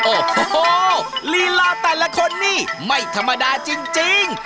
โอ้โหลีลาแต่ละคนนี่ไม่ธรรมดาจริง